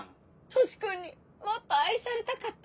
トシ君にもっと愛されたかった。